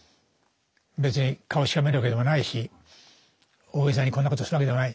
別に顔しかめるわけでもないし大げさにこんなことするわけでもない。